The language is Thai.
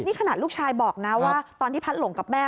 นี่ขนาดลูกชายบอกนะว่าตอนที่พัดหลงกับแม่